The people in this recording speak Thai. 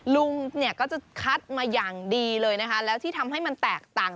ลุงเนี่ยก็จะคัดมาอย่างดีเลยนะคะแล้วที่ทำให้มันแตกต่าง